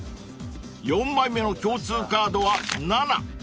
［４枚目の共通カードは７］